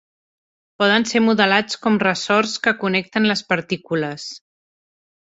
Poden ser modelats com ressorts que connecten les partícules.